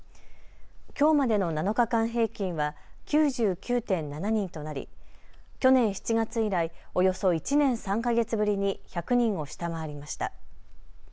きょうまでの７日間平均は９９．７人となり、去年７月以来、およそ１年３か月ぶりに１００人を下回りました。